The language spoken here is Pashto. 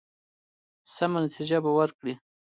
سمه نتیجه به ورکړي.